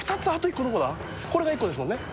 これが１個ですもんね。